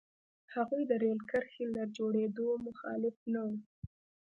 هغوی د رېل کرښې له جوړېدو مخالف نه وو.